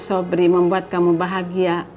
sobri membuat kamu bahagia